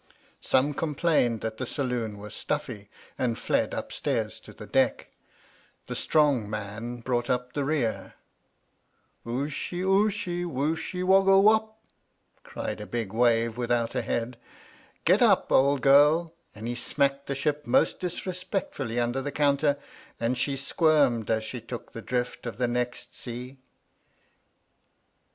Some complained that the saloon was stuffy, and fled upstairs to the deck. The strong man brought up the rear. "Ooshy — ooshy — wooshy — ^woggle wopf* cried a big wave without a head. "Get up, old girll" and he smacked the ship most disre spectfully under the counter, and she squirmed as she took the drift of the next sea.